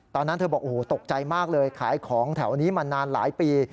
ตอนนั้นเธอบอกโอ้โหตกใจมากเลยขายของแถวนี้มานานหลายปี